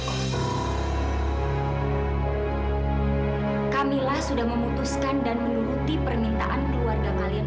kamilah sudah memutuskan dan menuruti permintaan keluarga kalian